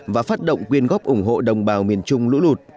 và phát động quyên góp ủng hộ đồng bào miền trung lũ lụt